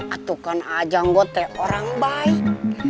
atukan aja anggota orang baik